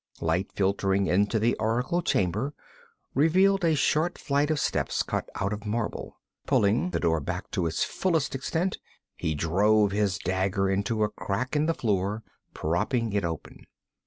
Light filtering into the oracle chamber revealed a short flight of steps cut out of marble. Pulling the door back to its fullest extent, he drove his dagger into a crack in the floor, propping it open.